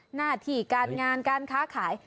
หน้าที่การงานการค้าขาย